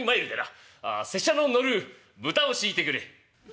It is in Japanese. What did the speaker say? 拙者の乗る豚をしいてくれ」。